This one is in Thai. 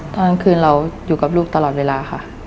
ตอนกลางคืนเราอยู่กับลูกตลอดเวลาค่ะ